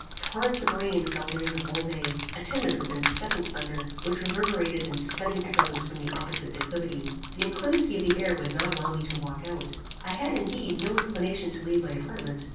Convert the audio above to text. Torrents of rain fell during the whole day, attended with incessant thunder, which reverberated in stunning echoes from the opposite declivity. The inclemency of the air would not allow me to walk out. I had, indeed, no inclination to leave my apartment.